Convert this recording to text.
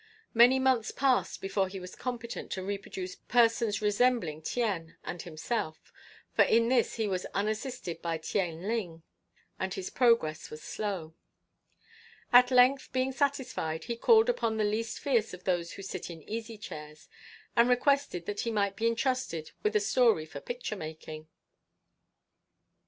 Many months passed before he was competent to reproduce persons resembling Tien and himself, for in this he was unassisted by Tieng Lin, and his progress was slow. At length, being satisfied, he called upon the least fierce of those who sit in easy chairs, and requested that he might be entrusted with a story for picture making.